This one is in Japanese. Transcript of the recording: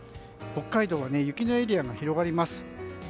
北海道は雪のエリアが広がります。